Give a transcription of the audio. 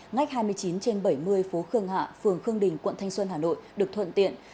ngách hai mươi chín trên bảy mươi phố khương hạ phường khương đình quận thanh xuân hà nội được thuận tiện